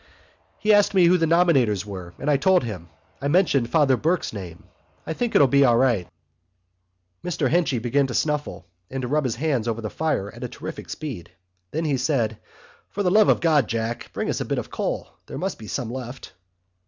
"He asked me who the nominators were; and I told him. I mentioned Father Burke's name. I think it'll be all right." Mr Henchy began to snuffle and to rub his hands over the fire at a terrific speed. Then he said: "For the love of God, Jack, bring us a bit of coal. There must be some left."